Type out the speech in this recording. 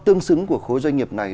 tương xứng của khối doanh nghiệp này